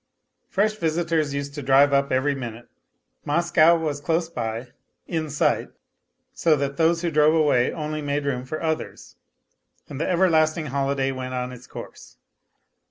Fresh visitors used to drive up every minute. Moscow was close by, in sight, so that those who drove away only made room for others, and the everlasting holiday went on its course.